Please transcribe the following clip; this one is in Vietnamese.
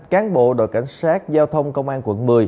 cán bộ đội cảnh sát giao thông công an quận một mươi